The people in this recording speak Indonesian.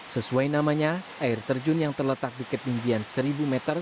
sesuai namanya air terjun yang terletak di ketinggian seribu meter